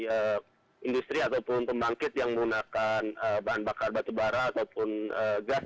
dari industri ataupun pembangkit yang menggunakan bahan bakar batubara ataupun gas